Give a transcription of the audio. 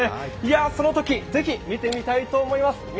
いや、そのときぜひ見てみたいと思います。